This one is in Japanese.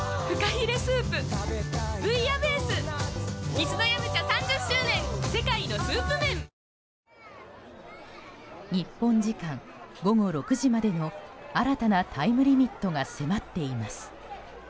ニトリ日本時間午後６時までの新たなタイムリミットが迫っています。